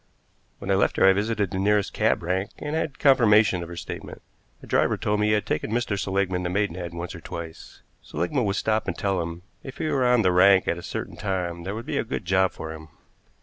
When I left her I visited the nearest cab rank, and had confirmation of her statement. A driver told me he had taken Mr. Seligmann to Maidenhead once or twice. Seligmann would stop and tell him if he were on the rank at a certain time there would be a good job for him.